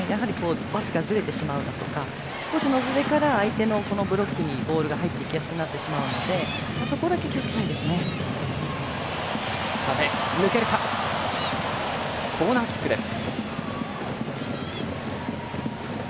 パスがずれてしまうとかそういった、ずれから相手のブロックにボールが入っていきやすくなるのでコーナーキックです。